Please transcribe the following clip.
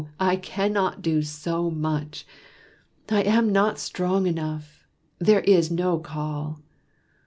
I cannot do so much I am not strong enough there is no call."